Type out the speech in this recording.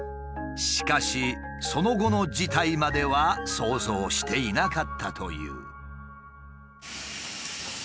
しかしその後の事態までは想像していなかったという。